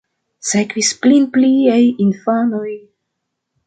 Sekvis kvin pliaj infanoj.